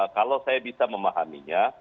kalau saya bisa memahaminya